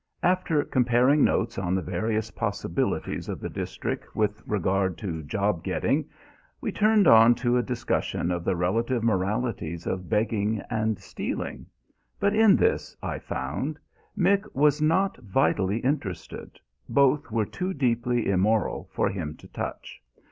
After comparing notes on the various possibilities of the district with regard to job getting, we turned on to a discussion of the relative moralities of begging and stealing. But in this, I found, Mick was not vitally interested both were too deeply immoral for him to touch.